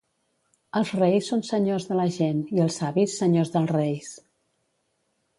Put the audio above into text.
Els reis són senyors de la gent i, els savis, senyors dels reis.